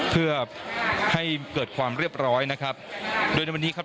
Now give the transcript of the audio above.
เพื่อให้เกิดความเรียบร้อยนะครับโดยในวันนี้ครับ